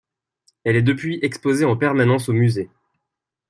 Elle est depuis exposée en permanence au musée.